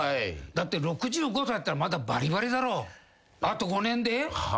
だって６５歳だったらまだバリバリだろう。